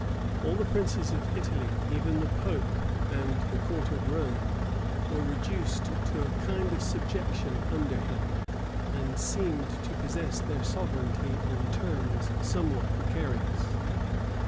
All the princes of Italy, even the pope and the court of Rome, were reduced to a kind of subjection under him, and seemed to possess their sovereignty on terms somewhat precarious.